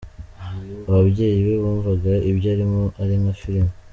Ababyeyi be bumvaga ibyo arimo ari nka filime